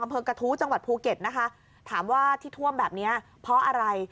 อำเภอกระทู้จังหวัดภูเก็ตนะคะถามว่าที่ท่วมแบบเนี้ยเพราะอะไร